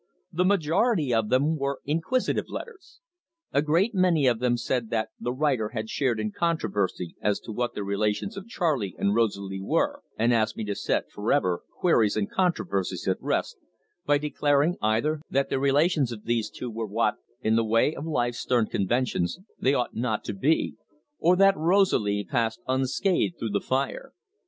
The majority of them were inquisitive letters. A great many of them said that the writer had shared in controversy as to what the relations of Charley and Rosalie were, and asked me to set for ever queries and controversies at rest by declaring either that the relations of these two were what, in the way of life's stern conventions, they ought not to be, or that Rosalie passed unscathed through the fire.